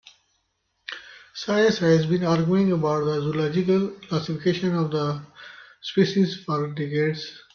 Science has been arguing about the zoological classification of the species for decades.